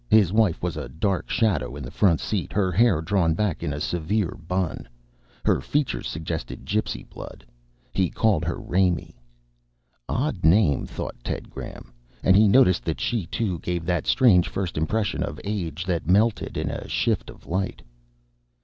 His wife was a dark shadow in the front seat, her hair drawn back in a severe bun. Her features suggested gypsy blood. He called her Raimee. Odd name, thought Ted Graham. And he noticed that she, too, gave that strange first impression of age that melted in a shift of light. Mrs.